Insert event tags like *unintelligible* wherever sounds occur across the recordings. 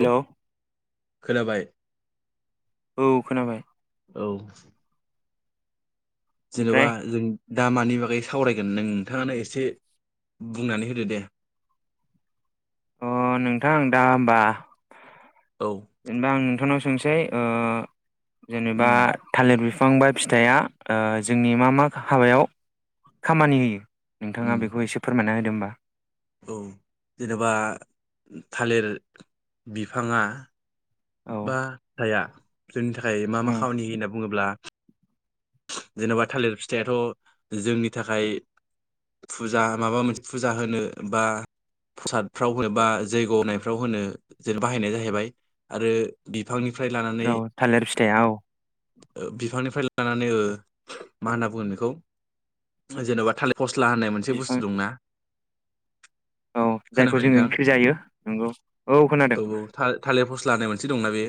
Hello खोनाबाय? औ खोनाबाय। औ जेन'बा ओमफ्राय जों दा मानि बागै सावरायगोन नोंथाङानो एसे बुंनानै होदो दे अ नोंथां दा होमबा औ जेनेबा आं नोंथांनाव सोंसै ओ जेनबा उम थालिर बिफां बा फिथाया जोंनि मा मा हाबायाव खामानि होयो? उम नोंथाङा बेखौ एसे फोरमायना होदो होमबा। औ जेनबा थालिर बिफाङा औ बा थाया जोंनि थाखाय मा मा उम खामानि होयो होनना बुङोब्ला जेन'बा थालिर फिथाइ आथ' जोंनि थाखाय फुजा होनोबा माबा मोनसे फुजा होनो बा प्रसादफ्राव एबा जैग' होनायफ्राव होनो जों बाहायनाय जाहैबाय आरो बिफांनिफ्राय लानानै औ थालिर फिथाइया औ ओ बिफांनिफ्राय ला लानानै ओ मा होनना बुंगोन बिखौ जेनबा थालिर फस्ला होननाय मोनसे बिफां बुस्थु दंना। औ जायखौ खोनाबाय जों नोंथां ओंख्रि जायो नोंगौ औ खोनादों था थालेर फस्ला होननाय मोनसे दंना बे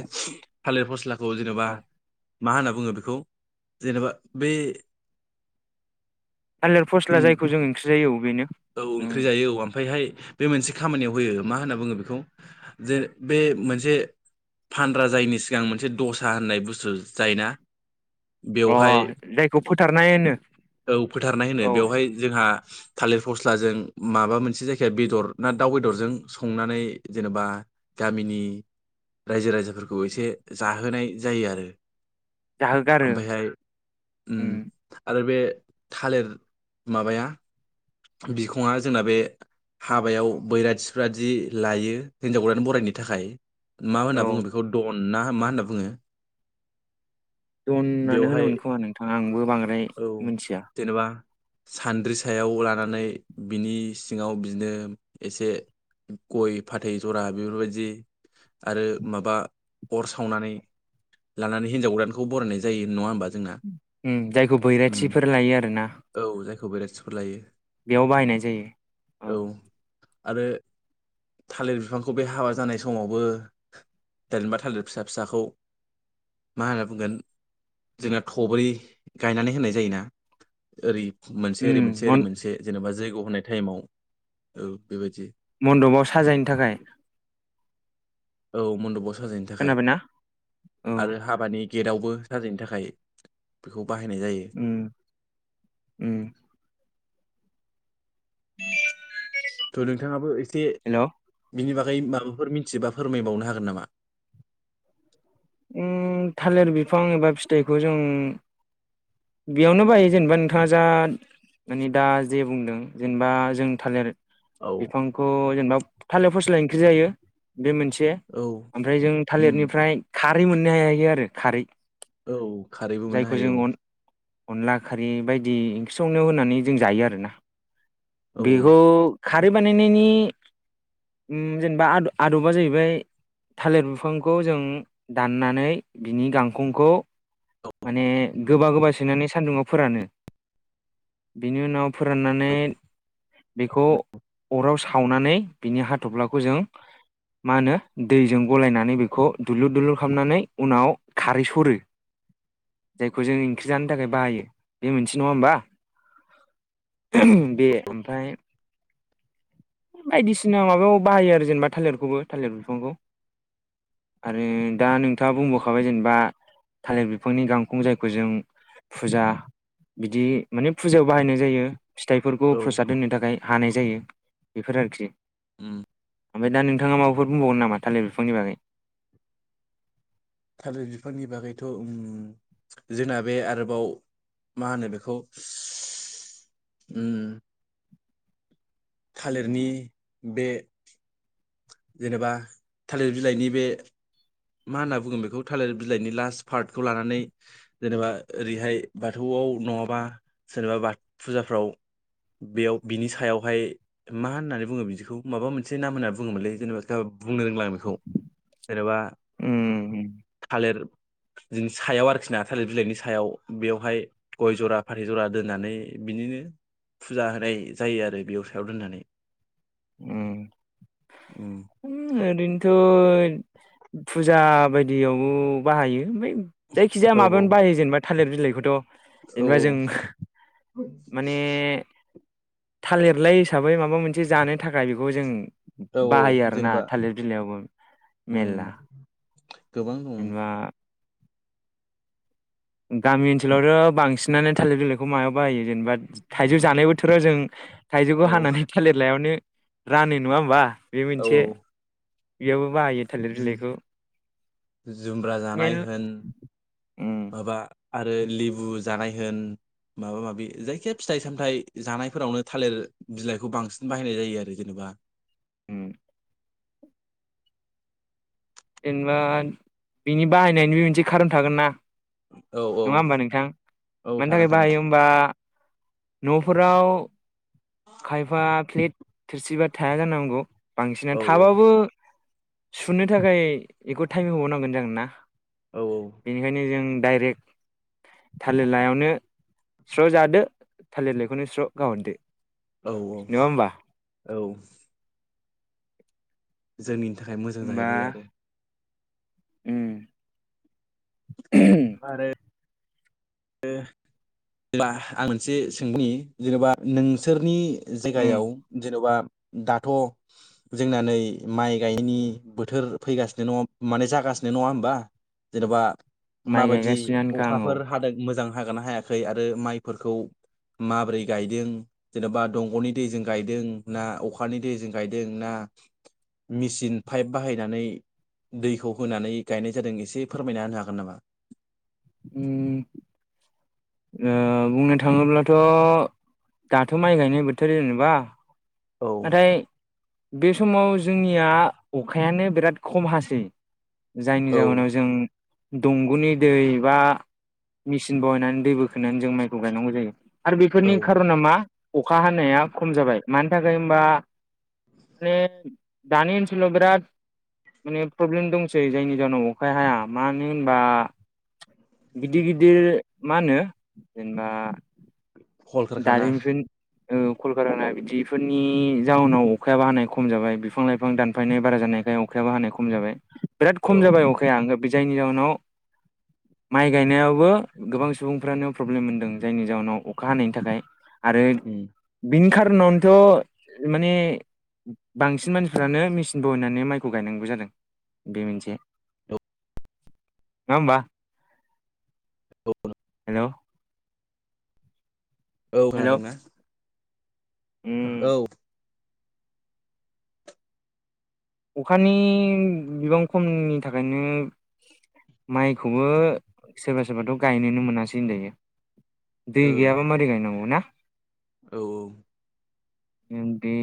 थालेर फस्लाखौ जेन'बा औ मा होनना बुङो बेखौ जेनबा बे थालिर फस्ला ओं जायखौ जों ओंख्रि जायो औ बेनो औ उम ओंख्रि जायो औ ओमफ्रायहाय बे मोनसे खामानियाव होयो मा होनना बुङो बेखौ जे बे मोनसे फानग्रा जायैनि सिगां मोनसे दसा होननाय बुस्थु जायोना अ बेवहाय जायखौ फोथारनाय होनो औ फोथारनाय होनो औ बेवहाय जोंहा थालिर फस्लाजों माबा मोनसे जायखिया बेदर ना दाउ बेदरजों संनानै जेनबा गामिनि राइजो राजाफोरखौ एसे जाहोनाय जायो आरो जाहोगारो ओमफ्रायहाय उम आरो बे थालेर माबाया बिखङा जोंना बे हाबायाव बैराथिफ्रादि लायो हिनजाव गोदान बरायनो थाखाय मा ओनना औ बुङो बेखौ दन ना मा ओनना बुङो दन नानो बेवहाय होनोमोनखोमा नोंथां आंबो बांद्राय औ मिथिया जेनबा सानद्रि सायाव लानानै बिनि सिङाव बिदिनो एसे गय फाथै ज'रा बेफोरबायदि आरो माबा अर सावनानै लानानै हिनजाव गोदानखौ बरायनाय जायो नङा होमबा जोंना उम जायखौ उम बैराथिफोर लायो आरो ना औ जायखौ बैराथिफोर लायो बेयाव बाहायनाय जायो औ आरो थालिर बिफांखौ बे हाबा जानाय समावबो देनबा थालिर फिसा फिसाखौ मा होनना बुंगोन जोङा थब्रै गायनानै होनाय जायोना ओरै मोनसे ओरै उम मोनसे ओरै मन मोनसे जेन'बा जैग' होनाय थाइमाव औ बेबायदि मन्द'बाव साजायनो थाखाय औ मन्द'बाव साजायनो थाखाय खोनाबायना औ आरो हाबानि गेदआवबो साजायनो थाखाय बेखौ बाहायनाय जायो उम उम थ' नोंथाङाबो एसे हेल' बिनि बागै माबाफोर मिन्थियोबा फोरमायबावनो हागोन नामा उम थालेर बिफां एबा फिथाइखौ जों बेयावनो बाहायो जेनबा नोंथाङा जाद मानि दा जे बुंदों जेनबा जों थालिर औ बिफांखौ जेनबा थालेर फस्ला ओंख्रि जायो बे मोनसे औ ओमफ्राय जों उम थालिरनिफ्राय खारै मोननो हायो आरो खारै औ खारैबो मोननो जायखौ जों हायो अन औ अनला खारै बायदि ओंख्रि संनायाव होनानै जों जायो आरोना। औ बेखौ खारै बानायनायनि उम जेनेबा आद आदबा जाहैबाय थालिर बिफांखौ जों दाननानै बिनि गांखंखौ माने गोबा गोबा सैनानै सान्दुङाव फोरानो। बिनि उनाव फोराननानै बेखौ अराव सावनानै बिनि हाथ'फ्लाखौ जों मा होनो दैजों गलायनानै बेखौ दुलुर दलुर खालामनानै उनाव खारै स'रो। जायखौ जों ओंख्रि जानो थाखाय बाहायो बे मोनसे नङा होमबा बे ओमफाय बायदिसिना माबायाव बाहायो आरो जेनेबा थालिरखौबो थालिर बिफांखौ। आरो दा नोंथाङा बुंबोखाबाय जेनेबा थालिर बिफांनि गांखं जायखौ जों फुजा बिदि माने फुजायाव बाहायनाय जायो फिथाइफोरखौ औ प्रसाद होनो थाखाय हानाय जायो। बेफोर आरोखि। ओम ओमफ्राय दा नोंथाङा माफोर बुंबावगोन नामा थालिर बिफांनि बागै थालिर बिफांनि बागैथ' उम जोंना बे आरोबाव मा होनो बेखौ उम थालिरनि बे जेनेबा थालिर बिलाइनि बे मा होन्ना बुङो बेखौ थालिर बिलाइनि लास्ट पार्टखौ लानानै जेनेबा ओरैहाय बाथौआव नङाबा सोरनिबा बाथ फुजाफ्राव बेयाव बिनि सायावहाय मा होननानै बुङो बिदिखौ माबा मोनसे नाम होनना बुङोमोनलै जेनेबा बुंनो रोंला आं बेखौ। जेनेबा उम। थालिर जोंनि सायाव आरोखि ना थालिर बिलाइनि सायाव बेवहाय गय जरा फाथै जरा दोननानै बिनिनो फुजा होनाय जायो आरो बेयाव सायाव दोननानै उम। उम ओरैनोथ' फुजा बायदियावबो बाहायो ओमफ्राय जायखिजाया औ माबायावनो बाहायो जेनेबा थालिर बिलाइखौथ'। औ जेनेबा जों माने। थालिर लाय हिसाबै माबा मोनसे जानो थाखाय बेखौ जों औ बाहायो औ आरोना जेनेबा थालिर बिलायावबो उम मेरला। गोबां दङ'। जेनेबा गामि ओनसोलावथ' बांसिनानो थालिर बिलाइखौ मायाव बाहायो जेनेबा? थाइजौ जानाय बोथोराव जों थाइजौखौ औ हानानै थालिर लायावनो रानो नङा होमबा? बे मोनसे बेयावबो बाहायो। थालिर जि बिलाइखौ जुमब्रा मेन जानाय होन उम माबा आरो लेबु जानाय होन माबा माबि जायखिजाया फिथाइ सामथाइ जानायफोरावनो थालिर बिलाइखौ बांसिन बाहायनाय जायो आरो जेनेबा। उम जेनेबा बिनि बाहायनायनिबो मोनसे खारन थागोन ना? औ औ नङा होमबा नोंथां? औ मानि थागोन थाखाय थागोन बाहायो होमबा? न'फोराव खायफा प्लेट थोरसिबा थाया जानांगौ। बांसिनानो औ थाबाबो सुनो थाखाय बेखौ टाइम होबावनांगोन जों ना? औ औ। बेनिखायनो जों डाइरेक्ट थालिर लायावनो स्र' जादो थालिर लाइखौनो स्र' गारहरदो। औ औ। औ। जोंनि थाखाय मोजां होमबा जाहैबाय आरो। उम। आरो ओ जेनेबा आं मोनसे सोंनि जेनेबा नोंसोरनि उम जायगायाव जेन'बा दाथ' जोंना नै माइ गायैनि बोथोर फैगासिनो नङा माने जागासिनो नङा होमबा? जेन'बा माइ माबादि गायगासिनोखा आं औ अखाफोर हादों मोजां हागोनना हायाखै आरो माइफोरखौ माबोरै गायदों जेनेबा दंग'नि दैजों गायदों ना अखानि दैजों गायदों ना मिसिन पाइप बाहायनानै दैखौ होनानै गायनाय जादों एसे फोरमायना होनो हागोन नामा? उम ओ बुंनो थाङोब्लाथ' दाथ' माइ गायनाय बोथोर जेनेबा। औ नाथाय बे समाव जोंनिया अखायानो बिराद खम हासै। जायनि औ जाहोनाव जों दंग'नि दै बा मेचिन बहायनानै दै बोखोनानै जों माइखौ गायनांगौ जायो आरो औ बेफोरनि खारना मा अखा हानाया खम जाबाय मानि थाखाय होमबा माने दानि ओनसोलाव बिराद माने प्रब्लेम दंसै जायनि जाहोनाव अखा हाया मानो होनबा गिदिर-गिदिर मा होनो जेनेबा कलकारखाना दारिमिनफोरनि ओ कलकारखाना बिदिफोरनि जाउनाव अखायाबो हानाय खम जाबाय बिफां लाइफां दानफायनाय बारा जानायखाय अखाबो हानाय खम जाबाय बिराद औ खम जाबाय अखाया जायनि जाहोनाव माइ गायनायावबो गोबां सुबुंफ्रानो प्रब्लेम मोनदों जायनि जाउनाव अखा हानायनि थाखाय आरो उम बिनि खारनावनोथ' माने बांसिन मानसिफ्रानो मेचिन बहायनानै माइखौ गायनांगौ जादों बे मोनसे। औ नङा होमबा? *inaudible* हेलौ औ हेलौ खोनादों ना? उम औ। अखानि बिबां खमनि थाखायनो माइखौबो सोरबा-सोरबाथ' गायनोनो मोनासै होनजायो दै गैयाबा मारै गायनांगौ ना! औ औ उम बे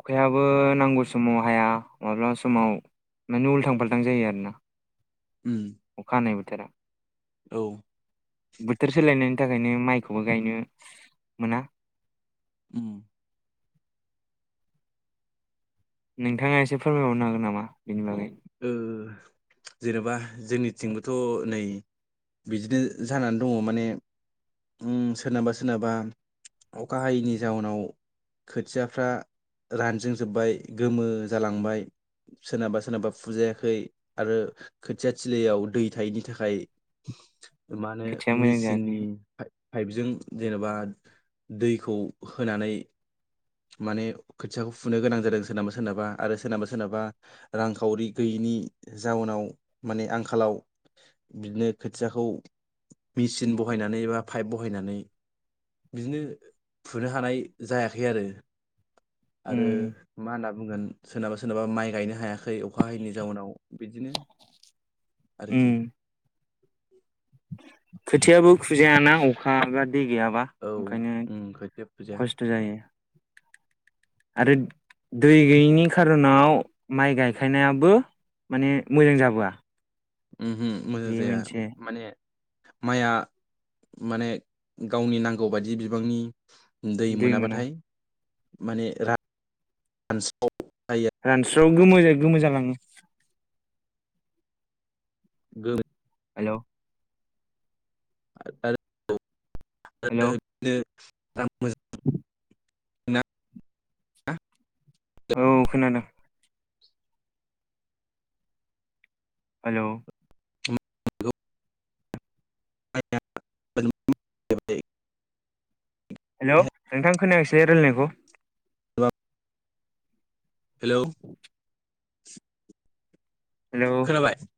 अखायाबो नांगौ समाव हाया माब्ला समाव माने उलथां फाल्थां जायो आरो ना। उम। अखा हानाय बोथोरा। औ। बोथोर सोलायनायनि थाखायनो माइखौबो गायनो मोना। उम। नोंथाङा एसे फोरमायबावनो हागोन नामा बेनि बागै? ओ जेनेबा जोंनिथिंबोथ' नै बिदिनो जानानै दङ माने उम सोरनाबा सोरनाबा अखा हायैनि जाउनाव खोथियाफ्रा रानजिं जोब्बाय गोमो जालांबाय सोरनाबा सोरनाबा फुजायाखै आरो खोथियाथिलियाव दै थायैनि थाखाय माहोनो खोथिया मोजां जायाखै मिचिननि पाइपजों जेनेबा दैखौ होनानै माने खोथियाखौ फुनो गोनां जादों सोरनाबा सोरनाबा आरो सोरनाबा सोरनाबा रांखावरि गैयैनि जाउनाव माने आंखालाव बिदिनो खोथियाखौ मेचिन बहायनानै एबा पाइप बहायनानै बिदिनो फुनो हानाय जायाखै आरो आरो उम मा होनना बुंगोन सोरनाबा सोरनाबा माइ गायनो हायाखै अखा हायैनि जाउनाव बिदिनो आरोखि उम खोथियाबो फुजायाना अखा बा दै गैयाबा औ ओंखायनो उम खोथिया फुजाया खस्थ' जायो आरो दै गैयैनि खार'नाव माइ गायखायनायाबो माने मोजां जाबोआ उमहु बे मोजांजाया मोनसे माने माइआ माने गावनि नांगौ बायदि बिबांनि दै मोनाबाथाय माने रानस्राव रानस्रआव गोमोजों गोमो जालाङो। गोमो हेलौ हेलौ *unintelligible* *inaudible* बिदिनो औ खोनादों। हेलौ मोजां *inaudible* हेलौ नोंथां खोनायासै रायलायनायखौ। Hello hello. *inaudible*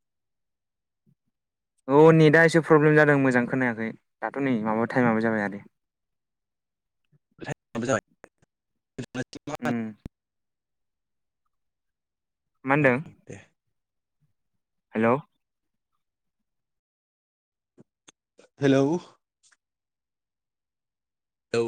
औ नेटआ एसे प्रब्लेम जादों मोजां खोनायाखै दाथ' नै माबा टाइमाबो जाबाय आरो। उम *unintelligible* मा होनदों? Hello hello. औ